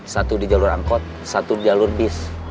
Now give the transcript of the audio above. satu di jalur angkot satu jalur bis